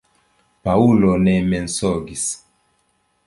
Paŭlo ne mensogis.